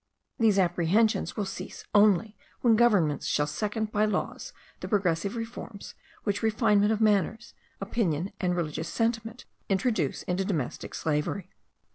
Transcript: These apprehensions will cease only where governments shall second by laws the progressive reforms which refinement of manners, opinion, and religious sentiment, introduce into domestic slavery.